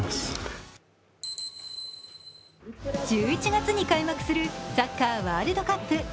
１１月に開幕するサッカーワールドカップ。